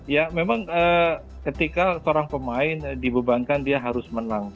ya memang ketika seorang pemain dibebankan dia harus menang